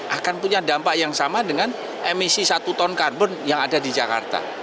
akan punya dampak yang sama dengan emisi satu ton karbon yang ada di jakarta